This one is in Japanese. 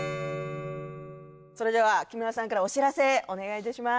それでは木村さんからお知らせお願いいたします